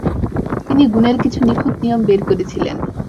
তিনি গুণের কিছু নিখুত নিয়ম বের করেছিলেন।